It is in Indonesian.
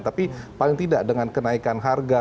tapi paling tidak dengan kenaikan harga